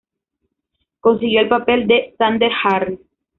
Consiguió el papel de Xander Harris.